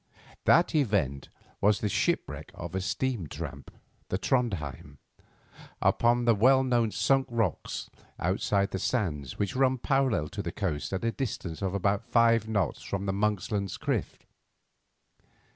That event was the shipwreck of the steam tramp, Trondhjem, upon the well known Sunk Rocks outside the Sands which run parallel to the coast at a distance of about five knots from the Monksland cliff.